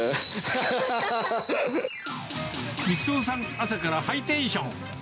光夫さん、朝からハイテンション。